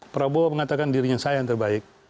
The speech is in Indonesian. prabowo mengatakan dirinya saya yang terbaik